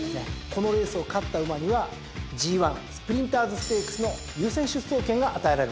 このレースを勝った馬にはＧⅠスプリンターズステークスの優先出走権が与えられます。